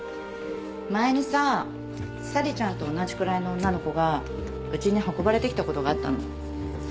前にさ沙里ちゃんと同じくらいの女の子がうちに運ばれてきたことがあったの。